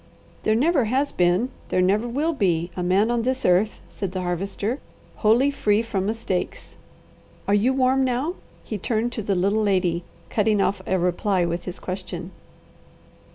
"There never has been, there never will be, a man on this earth," said the Harvester, "wholly free from mistakes. Are you warm now?" He turned to the little lady, cutting off a reply with his question.